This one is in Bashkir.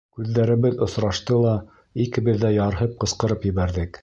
Күҙҙәребеҙ осрашты ла, икебеҙ ҙә ярһып ҡысҡырып ебәрҙек.